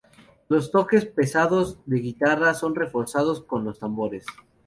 Los toques pesados de guitarra son reforzados con los tambores.